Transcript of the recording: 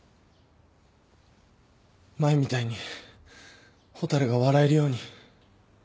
前みたいに蛍が笑えるように。